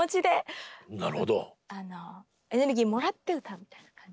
エネルギーもらって歌うみたいな感じ。